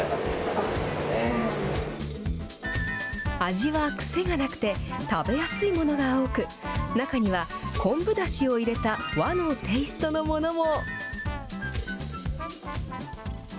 味は癖がなくて、食べやすいものが多く、中には昆布だしを入れた和のテーストのものも。